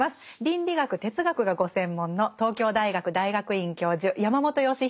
倫理学哲学がご専門の東京大学大学院教授山本芳久さんです。